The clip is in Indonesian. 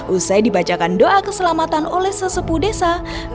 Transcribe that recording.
usai dibacakan doa keselamatan oleh sesepuh desa